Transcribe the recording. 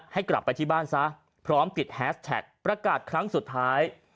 ให้กลับไปที่บ้านซะพร้อมติดแฮสแท็กประกาศครั้งสุดท้าย